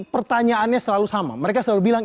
pertanyaannya selalu sama mereka selalu bilang